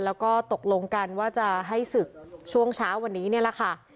แล้วก็ตกลงกันว่าจะให้ศึกช่วงเช้าวันนี้นี่แหละค่ะ